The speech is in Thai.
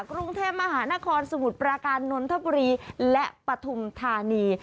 กรุงเทพมหานครสมุทรปราการนนทบุรีและปฐุมธานี